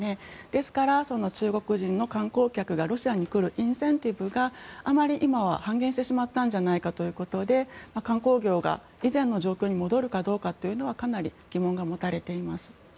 ですから、中国人の観光客がロシアに来るインセンティブが今は半減してしまったんじゃないかということで観光業が以前の状況に戻るかというのはかなり疑問が持たれています。